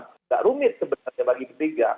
tidak rumit sebenarnya bagi p tiga